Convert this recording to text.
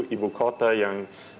ibu kota yang